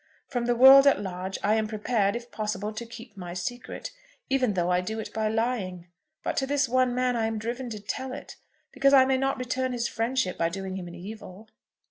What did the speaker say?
From the world at large I am prepared, if possible, to keep my secret, even though I do it by lying; but to this one man I am driven to tell it, because I may not return his friendship by doing him an evil."